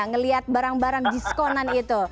ngelihat barang barang diskonan itu